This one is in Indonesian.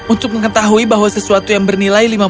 untuk mengetahui bahwa sesuatu yang bernilai